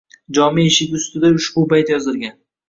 Jome’ eshigi ustida ushbu bayt yozilgan: